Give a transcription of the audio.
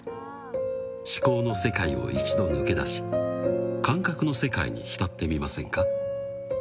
思考の世界を一度抜け出し感覚の世界に浸ってみませんか？